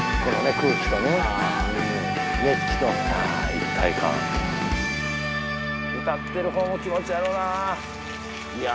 空気とね熱気とああうんああ一体感歌ってる方も気持ちええやろないや